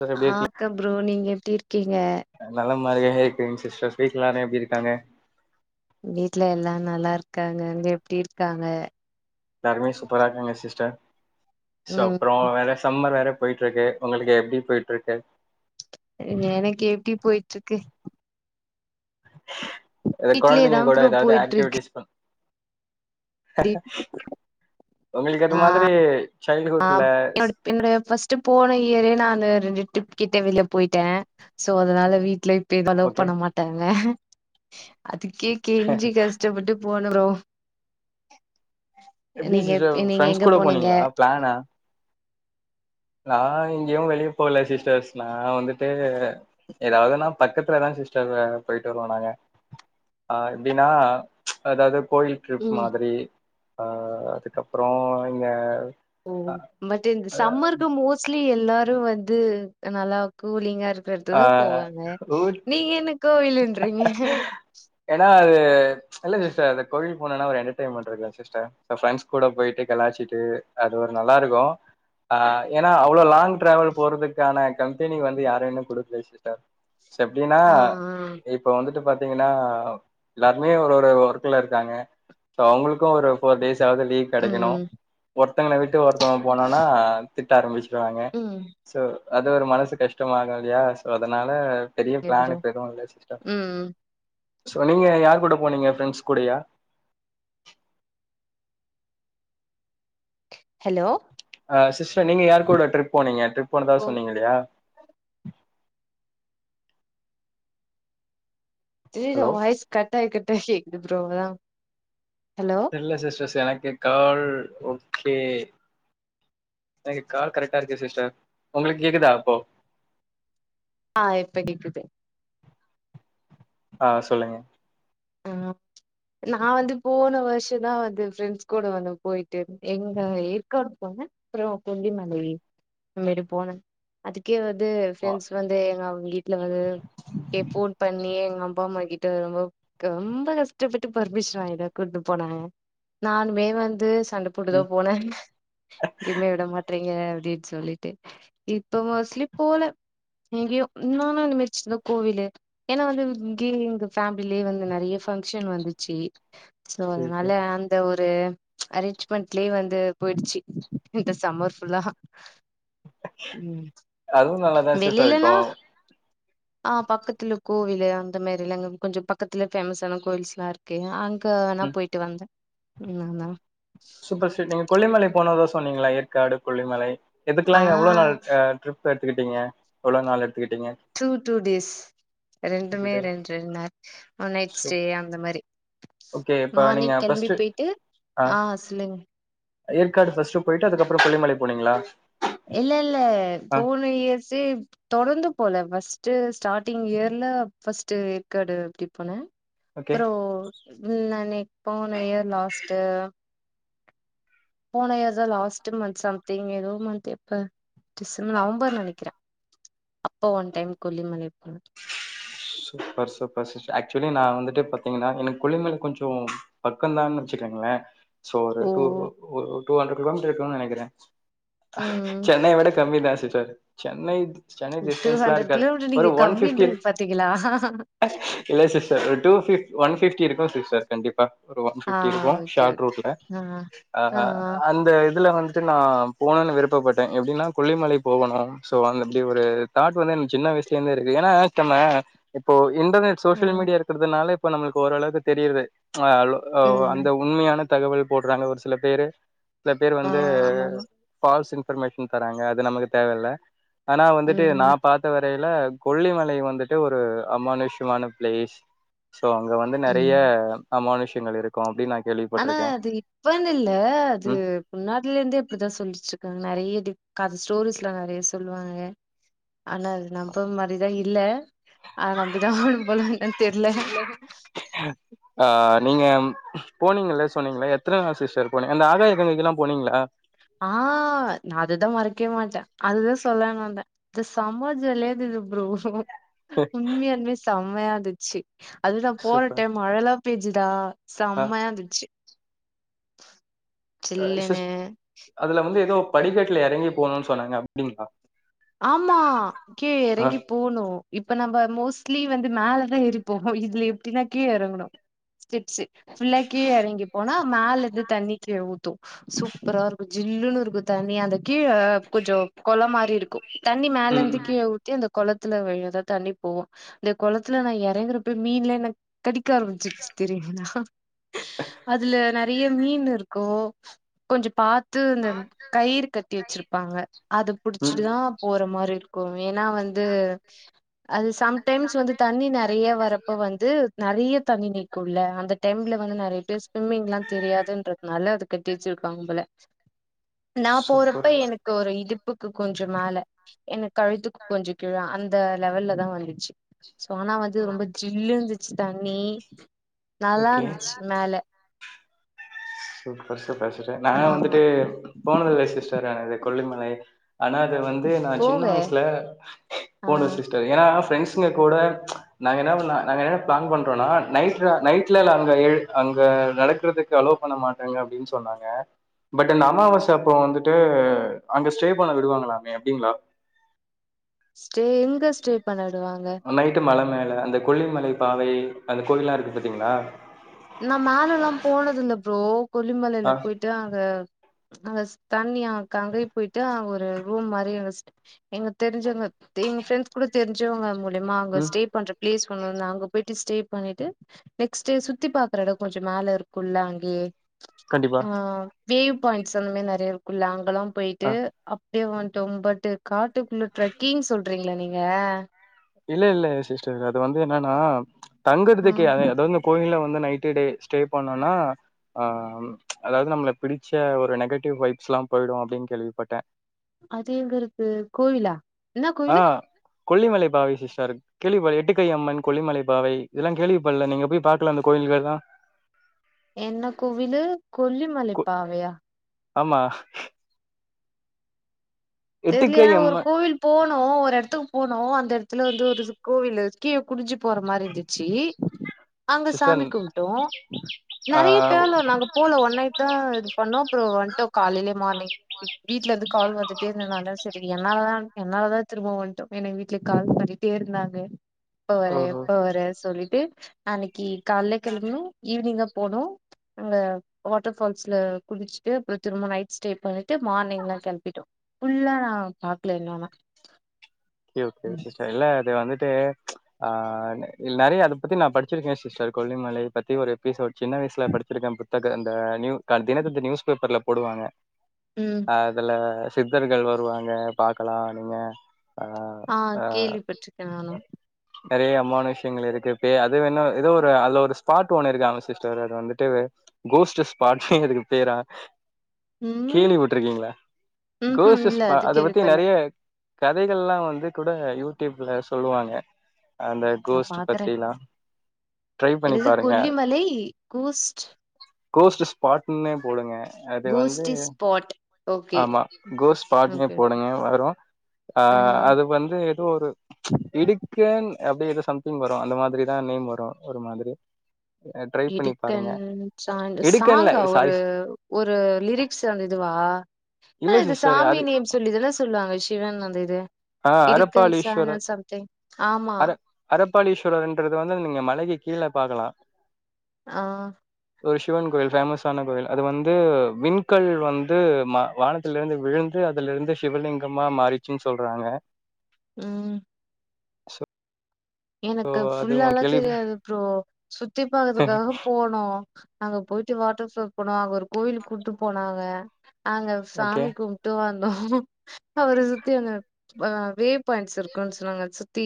Sister எப்டி ஆ இருக்க ப்ரோ நீங்க எப்டி இருக்கீங்க நலம் மாரியே இருக்கேங்க சிஸ்டர் வீட்ல எல்லாரு எப்டி இருக்காங்க வீட்ல எல்லா நல்லா இருக்காங்க அங்க எப்டி இருக்காங்க எல்லாருமே சூப்பரா இருக்காங்க சிஸ்டர் சோ ம் அப்ரோ வேற சம்மர் வேற போயிட்டுருக்கு உங்களுக்கு எப்டி போயிட்டுருக்கு எனக்கு எப்டி போயிட்டுருக்கு இத கொழந்தைங்க வீட்லயேதா கூட ப்ரோ ஏதாவது போயிட்ருக்கு ஆக்டிவிட்டீஸ் பண் உங்களுக்கு அது மாதிரி சைல்ட்ஹுட்ல ஆம் என்னோட என்னோடைய ஃபர்ஸ்ட் போன இயரே நா அந்த ரெண்டு ட்ரிப் கிட்ட வெளியே போயிட்ட சோ அதனால வீட்ல இப்ப அலவ் ஓகே பண்ண மாட்டாங்க அதுக்கே கெஞ்சி கஷ் டப்பட்டு போன ப்ரோ நீங்கப் நீங்க எங்க போனீங்க நானா நா எங்கயு வெளிய போல சிஸ்டர்ஸ் நா வந்துட்டு ஏதாவதுன்னா பக்கத்துலதா சிஸ்டர் போயிட்டு வருவோ நாங்க ஆ எப்டினா அதாது கோயில் ட்ரிப் ம் மாதிரி ஆ அதுக்கப்றோ இங்க ஓ பட் இந்த சம்மருக்கு மோஸ்ட்லி எல்லாரு வந்து நல்லா கூலிங்கா இருக் பாத்து போவாங்க ஊட் நீங்க என்ன கோவில்ன்றீங்க ஏனா அது இல்ல சிஸ்டர் அந்த கோவில் போனனா ஒரு என்டர்டைமெண்ட் இருக்கு சிஸ்டர் ஃப்ரெண்ட்ஸ் கூட போயிட்டு காலச்சிட்டு அது ஒரு நல்லா இருக்கு ஆ ஏனா அவ்ளோ லாங் டிராவல் போறதுக்கான கம்பெனி வந்து யாரு இன்னு கூட பேசிட்ட ச எப்டினா ஆ இப் இப்ப வந்துட்டு பாத்தீங்கன்னா எல்லாருமே ஒரு ஒரு ஒர்க்குல இருக்காங்க சோ அவங்களுக்கு ஒரு ஃபோர் டேஸ் ஆவது லீவ் கெடைக்கணு ம் ஒருத்தங்கள விட்டு ஒருத்தவ போனானா திட்ட ஆரம்பிச் வாங்க ம் சோ அது ஒரு மனசு கஷ்டமாகுல்லயா சோ அதுனால பெரிய ஓகே பிளான் ப்ரோ இப்போ எதுவு இல்ல சிஸ்டர் ம் சோ நீங்க யார் கூட போனீங்க பிரண்ட்ஸ் கூடையா ஹலோ ஆ சிஸ்டர் நீ யாரு கூட ட்ரிப் போனீங்க ட்ரிப் போனதா ஓ சொன்னீங்கல்லையா திடீர்னு ஹலோ வாய்ஸ் கட்டாய் கட்டாய் கேக்குது ப்ரோ அதா ஹலோ இல்ல சிஸ்டர்ஸ் எனக்கு கால் ஓகே எனக்கு கால் கரெக்டா இருக்குது சிஸ்டர் உங்களுக்கு கேக்குதா இப்போ ஆ இப்ப கேக்குது ஆ சொல்லுங்க ஆ நா வந்து போன வருஷோதா வந்து ஃப்ரெண்ட்ஸ் கூட வந்து போயிட்டு எங்க ஏற்காடு போனே ப்ரோ கொல்லி மலை இது போனே அதுக்கே வந்து வா பிரெண்ட்ஸ் வந்து எங்க வீட்ல வந்து ரிப்போர்ட் பண்ணி எங்க அப் அப்பா மா கிட்ட ரொம்ப ரொம்ப கஷ்டப்பட்டு பெர்மிஷன் வாங்கிதா கூட்டு போனாக நானுமே வந்து சண்ட போட்டு தா ம் போனே எங்கயுமே விடமாட்றீங்க அப்டின்னு சொல்லிட்டு இப்ப மோஸ்ட்லி போல இங்கயு ஊன்னோன்னு இருந்துச்சில கோவிலு ஏன்னா வந்து இங்க எங் ஃபே லயே வந்து நெறைய பங்க்ஷன் வந்துச்சு சோ கேக்கு அதுனால அந் த ஒரு அரேஞ்ச்மெண்ட்லயே வந்து போயிடுச்சு இந்த சம்மர் ஃபுல்லா ம் அதுவு நல்லாதா சிஸ்டர் இருக்கு வெளிலனா ஆ பக்கத்துல கோவிலு அந்த மெரில்லங் கொஞ்சோ பக்கத்துல ஃபேமஸான கோயில்ஸ்லா இருக்கு அங்க வேணா ம் போயிட்டு வந்த ம் ஆமா சூப்பர் சீ் நீங்க கொல்லிமலை போனதா சொன்னீங்களா ஏற்காடு கொல்லிமலை எதுக்கெல்லா ஆ எவ்வளோ நாள் ஆ ட்ரிப் ப்ப எடுத்துக்கிட்டீங்க எவ்ளோ நாள் எடுத்துக்கிட்டீங்க டூ டூ டேஸ் டூ ரெண்டுமே டேஸ். ரெண்டுரெண்டு நாள் நைட் ஸ்டே சூப்பர். அந்த மாரி ஓகே இப்ப நீங்க மார்னிங் கேளம்பி ஃபர்ஸ்ட் போயிட்டு ஆ சொல்லுங் ஏற்காடு ஃபர்ஸ்ட் போயிட்டு அதுக்கப்றோ கொள்ளிமலை போனீங்களா இல்ல இல்ல ஆ போன இயர்சே தொடர்ந்து போல ஃபர்ஸ்ட் ஸ்டார்டிங் இயர்ல பஃபர்ஸ்ட் ஏற்காடு அப்டி போனே ஓகே அப்றோ நானே போனே இயர் லாஸ்ட்டு போன இயர்ஸா லாஸ்ட்மந்த் சம்திங் ஏதோ மந்த் எப்ப டிசம்பர் நவம்பர் நெனக்கிறேன் அப்ப ஒன் டைம் கொல்லிமலை போன சூப்பர் சூப்பர் ச ஆக்சுவலி நான் வந்துட்டு பாத்தீங்கன்னா எனக்கு கொல்லிமலைக்கு கொஞ்சோ பக்கந்தான்னு வச்சுக்கங்களேன் சோ ஒரு ஓ ஒரு டூ ஹண்ட்ரட் கிலோமீட்டர் இருக்கும்னு நெனக்கிறே ம் சென்னய விட கம்மி தா சிஸ்டர் சென்னை சென்னை டிஸ்டன்ஸ்லா இருக்காது ஒரு ஒன் பிப்டி டிகலா அஹா அஹா இல்ல சிஸ்டர் ஒரு டூ பிப் ஒன் பிப்டி இருக்கு சிஸ்டர் கண்டிப்பா ஒரு ஒன் ஆ பிப்டி இருக்கு ஓகே ஷார்ட் ஓகே ரூட்ல ஆ அ ஆ ஆன் அந்த இதுல வந் ட்டு நான் போனுனு விருப்பப்பட்டே எப்படின்னா கொல்லிமலை போகணு சோ அந்த அப்டி ஒரு தாட் வந்து எனக்கு சின்ன வயசுலேர்ந்தே இருக்கு ஏன்னா நம்ம இப்போ இன்டர்நெட் ஆ சோசியல் மீடியா இருக்கிறதுனால இப்போ நம்மளுக்கு ஓரளவுக்கு தெரியுது ம்ப்ச் அந்த ம் உண்மையான தகவல் போடுறாங்க ஒரு சில பேரு சில பேர் ஆ வந்து ஆமா ஃபால்ஸ் இன்ஃபர்மேஷன் தராங்க அது நமக்கு தேவயில்ல ஆனா வந்துட்டு நா ம், பா த்துட்டு வரைல கொல்லிமல வந்துட்டு ஒரு அமானுஷ்யமான பிளேஸ் சோ அங்க வந்து நெறய ம். அமானுஷ்யங்கள் இருக்கு அப்டின்னு நா கேள்வி ஆனா அது இப்பன்னுல்ல அது முன்னாடிலிந்தே அப்டிதா சொல்லிட்டிருக்காங்க நெறய டி கத ஸ்டோரிஸ்ல்ல நெறயா சொல்லுவாங்க ஆனா அது நம்ப மாரிதா இல்ல ஆன நம்பிதா ஆகணும்போல என்னனு தெர்ல ஹ ஆ நீங்க போனீங்கல்ல சொன்னீங்ளா எத்தன நா சிஸ்டர் போனீங்க அந்த ஆகாயக்கங்கைக்கல்லா போனீங்ளா ஆ நா அதுதா மறக்கவே மாட்ட அதுதா சொல்லலானு வந்த அது செம ஜாலியாயிருந்துது ப்ரோ உண்மையாலுமே செம்மையாந்துச்சு அது நா போன சூப்பர் டைம் மழல்லா பேஞ்சுதா ஆ செம்மயாந்துச்சு சில்லுனு சிஸ் அதுல வந்து எதோ படிக்கட்டுல எறங்கி போணுனு சொன்னாங்க அப்டிங்ளா ஆமா கீழ எறங்கிப் போணு இப்ப நம்ம மோஸ்ட்லி வந்து மேலதா ஏறிப்போவோ இதுல எப்டினா கீழ எறங்கணு ஸ்டெப்ஸ் ஃபுல்லா கீழ எறங்கி போனா மேலந்து தண்ணி கீழ ஊத்து சூப்பரா இருக்கு ஜில்லுனு இருக்கு தண்ணி அந்த கீழ கொஞ்சோ கொளொ மாரி இரு க்கு தண்ணி ம் மேலந்து கீழ ஊத்தி அந்த கொளத்துல விழுதா தண்ணி போவு அந்த கொளத்துல நா எறங்கறப்ப மீனெல்லா என்ன கடிக்க ஆரம்பிச்சிருச்சு தெரியுங்ளா அதுல நெறயா மீன் இருக்கு கொஞ்சோ பா து இந்த கயிறு கட்டி வெச்சிருப்பாங்க அத ம் புடிச்சு ம் அ போற மாரி இருக்கு ஏனா வந்து அது சம்டைம்ஸ் வந்து தண்ணி நெறயா வரப்ப வந்து நெறயா தண்ணி நி க்குல்ல அந்த டைம்ல வந்து நெறயா பேர் ஸ்விம்மிங்கெல்லா தெரியாதுன்றதுனால அது கட்டி வெச்சுருக்காங்க போல [inaudible] நா போறப்ப சூப்பர் எனக்கு ஒரு இடுப்புக்கு கொஞ்சோ மேல எனக்கு கழுத்துக்கு கொஞ்சோ கீழ அ ந்த லெவல்லதா வந்துச்சு சோ ஆனா வந்து ரொம்ப ஜில்லு இந்துச்சு தண்ணி ஓகே நல்லாந்துச்சு மேல சூப்பர் சூப்பர் சிஸ்டர் நா ஆமா வந்துட்டு போனதில்ல சிஸ்டர் ஆனது கொல்லிமலை ஆனா அது வந்து நா போங்க சின்ன வயசுல ஆ போனது சிஸ்டர் ஏனா ஃப்ரெண்ட்ஸ்ங்க கூட நாங்க என்ன பண்ணா நாங்க என்ன பிளான் பண்றோனா நைட்ற நைட்லல்லா அங்க எழு அங்க நடக்கறதுக்கு அளோ பண்ண மாட்டாங்க அப்டின்னு சொன்னாங்க பட் இந்த அமாவாசை அப்போ வந்துட்டு அங்க ஸ்டே பண்ண விடுவாங்ளாமே அப்டிங்ளா ஸ்டே எங்க ஸ்டே பண்ண விடுவாங்க? நைட்டு மல மேல அந்த கொல்லிமலை பாவை அந்த கோயில்லா இருக்கு பாத்தீங்ளா நா மேலல்லா போனது இல்ல ப்ரோ கொல்லிமலைல ஆ போயிட்டு அங்க அங்க ஸ்தண்ணியா கங்கை போயிட்டு அ ஒரு ரூம் மாரி அங் ஸ்டே எங் தெரிஞ்சவங்க எங்க ஃப்ரெண்ட்ஸ் கூட தெரிஞ்சவங்க மூலியமா அங்க ம் ஸ்டே பண்ற பிளேஸ் ஒன்னுருந்து அங்க போயிட்டு ஸ்டே பண்ணிட்டு நெக்ஸ்ட் சு த்தி பாக்கற எடோ கொஞ்சோ மேல இருக்குல்ல அங்யே கண்டிப்பா. ஆ வேவ் பாயிண்ட்ஸ் அந்த மாரி நெறயா இருக்குல்ல அங்கெல்லா போயிட்டு ஆ. அப்டியே வந்ட்டோ பட் காட்டுக்குள்ள ட்ரக்கிங் சொல்றீங்ளா நீங்க இல்லல்ல சிஸ்டர் அது வந்து என்னனா ஆ தங்கறதுக்கு‌ அது வந்து கோயில்ல வந்து நைட்டு டே ஸ்டே பண்ணனா ஆ அதாது நம்மள பிடிச்ச ஒரு நெகட்டிவ் வைப்ஸ்லா போய்டு அப்டின் கேள்விப்பட்ட அது எங்க இருக்கு கோவிலா என்ன கோயிலு கொள்ளிமலை பாவை புதுசாருக்கு கேள்விபட்ல எட்டுக்கை அம்மன் கொல்லிமலை பாவை இதெல்லா கேள்விப்பட்ல நீங்க போய் பாக்கல அந்த கோயில்கள்லா என்ன கோவிலு கோ கொல்லிமலைப்பாவையா ஆமா தெர்ல எட்டுக்கை ஆனா ஒரு அம்மன் கோவில் போனோ ஒரு எடத்துக்கு போனோ அந்த எடத்துல வந்து ஒரு கோவில்ல கீழ குனிஞ்சு போறமாரி இருந்துச்சு ஆ அங்க சாமி கும்ட்டோ ஆ நறைய பேர்ல நாங்க போல ஒன் நைட்தா இது பண்ணோ அப்புறோ வண்ட்டோ காலைலயே மார்னிங் வீட்ல இருந்து கால் வந்துட் இருந்தனாலதா செரி என்னாலதா என்னாலதா திரும்பவன்டோ எனக்கு வீட்ல கால் பண்ணிட்டேருந்தாங்க எப்ப வர ஓஹோ எப்ப வர சொல்லிட்டு அன்னிக்கி கால்ல கெளம்புனோ ஈவினிங்கா போனோ அங்க வாட்டர்ஃபால்ஸ்ல குளிச்சிட்டு அப்புறோ திரும்ப நைட் ஸ்டே பண்ணிட்டு மார்னிங்லா கெளம்பிட்டோ ஃபுல்லா நா பாக்கல இன்னொன்னா ஓகே ஓகே சிஸ்டர் இல்ல அது வந்துட்டு ஆ நறைய அத பத்தி நா படிச்சிருக்கே சிஸ்டர் கொல்லிமலை பத்தி ஒரு எப்பிசோட் சின்ன வய்சுல படிச்சிருக்கே புத்தக அந்த நியூ தினத்‌தந்தி நியூஸ் பேப்பர்ல போடுவாங்க ம் அதுல சித்தர்கள் வருவாங்க பாக்கலா நீங்க ஆ ஆ கேள்விப்பட்டிருக்கே நானு நறைய அமானுஷ்யங்கள் இருக்கு பேய் அது‌வேணா எதோ ஒரு அதுல ஒரு ஸ்பாட் ஒன்னு இருக்காமே சிஸ்டர் அது வந்துட்டு கோஸ்ட்டு ஸ்பாட்டுனே அதுக்கு பேரா ம், கேள்விபட்ருக்கீங்ளா ம்ஹ்ம். கோஸ்ட்டு இல்ல ஸ்பா அது அத பத்தி கேள்விப்படல. நறைய கதைகள்லா வந்துகூட யூடியூப்ல சொல்லுவாங்க அந்த நான் கோஸ்ட்டு பாக்குறேன். பத்திலா என்னது கொல்லிமலை கோஸ்ட் கோஸ்ட்டு ஸ்பாட்டுன்னே போடுங்க அது வந்து கோஸ்டி ஸ்பாட். ஓகே, ஆமா கோஸ்ட் ஸ்பாட்னே ஓகே, ஓகே. போடுங்க வரு ஆ அது வந்து எதோ ஒரு இடுக்கேன் அப்டி எதோ சம்திங் வரு அந்த மாதிரிதா நேம் வரு ஒரு மாதிரி ட்ரை பண்ணி இடுக்கன் பாருங்க சா இடுக்கன்ல சாங்கா ஒரு சாரி ஒரு லிரிக்ஸ் அந்த இதுவா ஆ இல்ல இது சிஸ்டர் சாமி அது நேம் சொல்லிதான சொல்லுவாங்க சிவன் அந்த இது ஆஹ் இடுக்கன் சான அரப்பாளீஸ்வரர் சம்திங் ஆமா அர அரப்பாளீஸ்வரர்ன்றது வந்து நீங்க மலைக்கு கீழ பாக்கலா ஆ ஒரு சிவன் கோயில் ஃபேமஸான கோயில் அது வந்து விண்கல் வந்து ம வானத் துல இருந்து விழுந்து அதுல இருந்து சிவலிங்கமா மாருச்சுன் சொல்றாங்க ம் ச எனக்கு ஃபுல்லாலா கேள்வி தெரியாது ப்ரோ சுத்தி பாக்கறதுக்காக போனோ அங்க போய்ட்டு வாட்டர் ஃபால் போனோ அங்க ஒரு கோயிலு கூப்ட்டு போனாங்க அங்க சாமி ஓகே கும் டோ வந்தோ அவர சுத்தி அந்த வே பாயிண்ட்ஸ் இருக்குன் சொன்னாங்க சுத்தி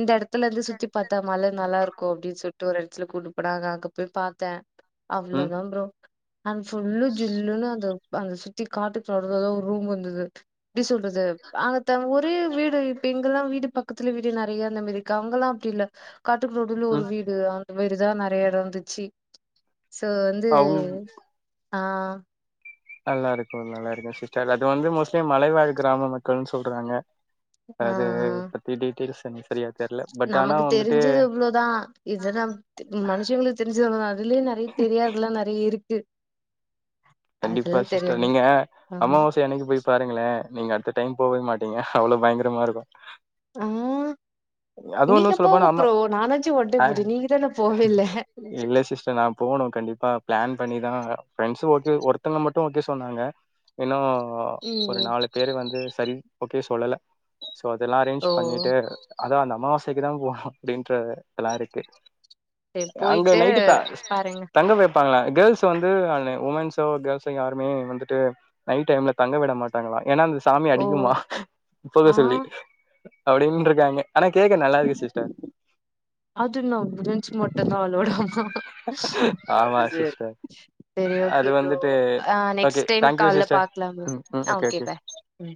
இந்த எடத் த்துல இருந்து சுத்தி பாத்தா மல நல்லாருக்கு அப்டின் சொல்ட்டு ஒரு எடத்துல கூட்னு போனாங்க அங்க போய் பாத்தே ம் அவ்ளோதான் ப்ரோ அங்க புஃல்லு ஜில்லுன்னு அது அந்த சுத்தி காட்டுக்கு நடுலதா ஒரு ரூம் வந்துது எப்டி சொல்றது ஆங்கத்த ஒரே வீடு இப்பெ இங்கல்லா வீடு பக்கத்துல வீடு நெறைய அந்த மேரி கவங்கல்லா அப்டி இல்ல காட்டுக்கு நடுல ஒரு ம் வீடு அந்த மேரிதான் நெறைய இருந்துச்சி சோ வந்து அவுங் ஆ நல்லா இருக்கு நல்லா இருக்கு சிஸ்டர் அது வந்து மோஸ்ட்லி மலைவாழ் கிராம மக்கள்னு சொல்றாங்க ஆ அது பத்தி டீட்டெய்ல்ஸ் எனக்கு செரியா தெரில பட் ஆனா நமக்கு வந்துட்டு தெரிஞ்சது இவ்ளோதா இதுதா மனுஷங்களுக்கு தெருஞ்சது அவ்ளோதா அதுலே நெறைய தெரியாதுல்லா நெறைய இருக்கு கண்டிப்பா அதெல்லா சிஸ்டர் தெரியாம நீங்க ஆமா அம்மாவாசை அன்னிக்கு போய் பாருங்களேன் நீங்க அடுத்த டைம் போவவே மாட்டீங்க அவ்ளோ பயங்கரமா இருக்கு ஆ அது நீங்க ஒன்னு போங்க சொல்லப்போனா அம்மா ப்ரோ நானாச்சு ஒன் ஆ டைம் போய்ட்டே நீங்க தான போவே இல்ல இல்ல சிஸ்டர் நான் போணு கண்டிப்பா பிளான் பண்ணிதா ப்ரெண்ட்ஸும் ஓகே ஒருத்தங்க மட்டு ஓகே சொன்னாங்க இன்னு ஒரு ம் நாலு பேரு வந்து செரி ஓகே சொல்லல சோ அதெல்லா அரேஞ் ஓ பண்ணீட்டு அதா அந்த அம்மாவாசைக்கு தா போனு அப்டீன்ற இதெல்லாருக்கு சரி அங்க போயிட்டு நைட்டு தா பாருங்க தங்க வைப்பாங்களா கேர்ள்ஸ் வந்து உமன்ஸ் சோ கேர்ள்ஸ்ங்க யாருமே வந்துட்டு நைட் டைம்ல தங்க விட மாட்டாங்ளா ஏன்னா அ சாமி ஓ அடிக்குமாம் போக ஆ சொல்லி அப்டின்னு இருக்காங்க ஆனா கேக்க நல்லாருக்கு சிஸ்டர் அதென்ன [unintelligible] மட்டுந்தான் அலவ்டாமா ஆமா அது செரி சிஸ்டர் செரி அது ஓகே ப்ரோ வந்துட்டு ஆ ஓகே நெக்ஸ்ட் டைம் தேங்க்யூ கால்ல சிஸ்டர் பாக்கலாம் ப்ரோ ம் ம் ஓகே பாய் ம்